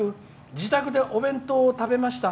自宅でお弁当を食べました。